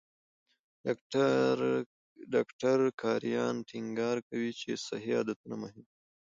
ډاکټر کرایان ټینګار کوي چې صحي عادتونه مهم دي.